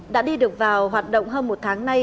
đã đi được vào hoạt động hơn một tháng nay